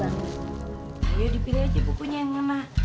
ayo dipilih aja bukunya yang kena